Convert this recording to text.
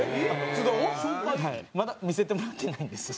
まだ見せてもらってないんです。